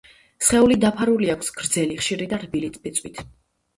სხეული დაფარული აქვს გრძელი, ხშირი და რბილი ბეწვით.